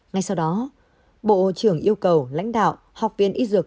ngay sau đó bộ trưởng yêu cầu lãnh đạo học viện y dược